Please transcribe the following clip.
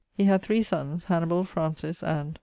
He had three sonnes, Hannibal, Francis, and....